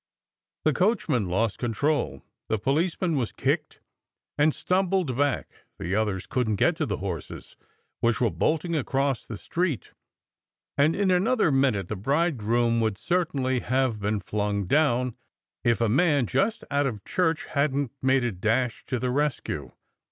The coachman lost control; the policeman was kicked, and stumbled back; the others couldn t get to the horses, which were bolting across the street; and in another minute the bridegroom would certainly have been flung down, if a man just out of church hadn t made a dash to the rescue.